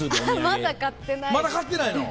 まだ買ってないの。